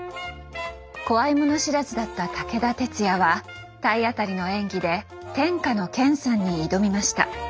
怖いもの知らずだった武田鉄矢は体当たりの演技で天下の「健さん」に挑みました。